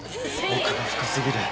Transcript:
奥が深過ぎる。